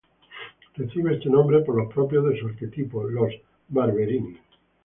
Recibe este nombre por los propietarios de su arquetipo, los Barberini.